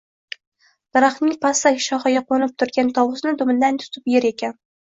daraxtning pastak shoxiga qo’nib turgan tovusni dumidan tutib yer ekan.